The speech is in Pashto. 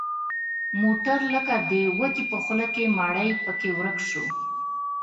موټر لکه د وږي په خوله کې مړۍ پکې ورک شو.